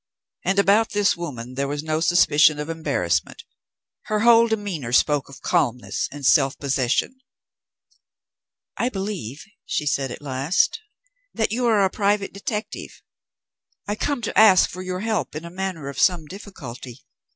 And about this woman there was no suspicion of embarrassment; her whole demeanour spoke of calmness and self possession. "I believe," she said at last, "that you are a private detective. I come to ask for your help in a matter of some difficulty.